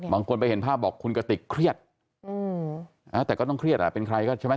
บางคนไปเห็นภาพบอกคุณกติกเครียดแต่ก็ต้องเครียดอ่ะเป็นใครก็ใช่ไหม